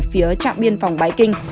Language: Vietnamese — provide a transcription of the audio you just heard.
phía trạm biên phòng bãi kinh